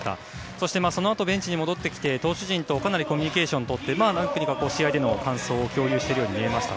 そしてそのあとベンチに戻ってきて投手陣とかなりコミュニケーションを取って試合での感想を共有しているように見えました。